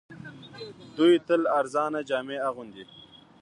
دوی تل ارزانه جامې اغوندي